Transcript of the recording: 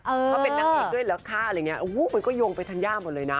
เขาเป็นนางเอกด้วยแล้วค่ะอะไรอย่างนี้มันก็โยงไปธัญญาหมดเลยนะ